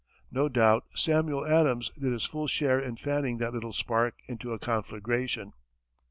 No doubt Samuel Adams did his full share in fanning that little spark into a conflagration!